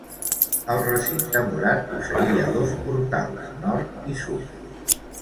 El recinte murat posseïa dos portals, nord i sud.